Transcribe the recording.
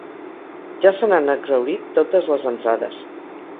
Ja se n’han exhaurit totes les entrades.